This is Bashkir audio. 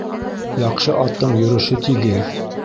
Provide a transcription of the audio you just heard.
Яҡшы аттың йөрөшө тигеҙ